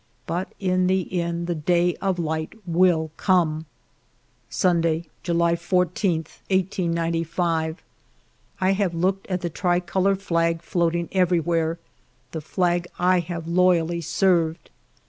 But in the end the day of light will come. Sunday, July 14, 1895. ^ I have looked at the tricolor flag floating every where, the flag I have loyally served.